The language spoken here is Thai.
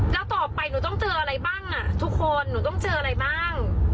แล้วต่อไปหนูต้องเจออะไรบ้างอ่ะทุกคนหนูต้องเจออะไรบ้าง